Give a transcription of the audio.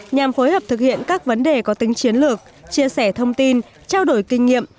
nhằm phối hợp thực hiện các vấn đề có tính chiến lược chia sẻ thông tin trao đổi kinh nghiệm